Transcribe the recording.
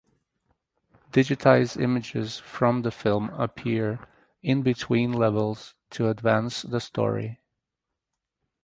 Digitized images from the film appear in between levels to advance the story.